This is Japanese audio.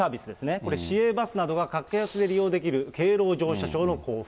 これ、市営バスなどが格安で利用できる敬老乗車証の交付。